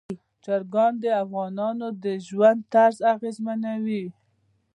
چرګان د افغانانو د ژوند طرز اغېزمنوي.